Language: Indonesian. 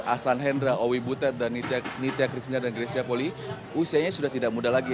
asan hendra owi butet dan nitya kristina dan grecia poli usianya sudah tidak muda lagi